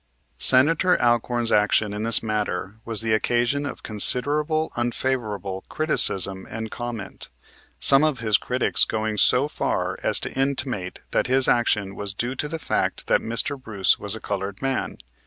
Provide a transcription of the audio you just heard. Senator Alcorn's action in this matter was the occasion of considerable unfavorable criticism and comment, some of his critics going so far as to intimate that his action was due to the fact that Mr. Bruce was a colored man.